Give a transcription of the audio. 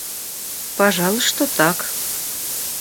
Пожалуй, что так.